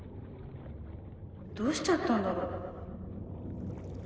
どうしちゃったんだろう？